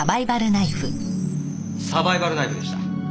サバイバルナイフでした。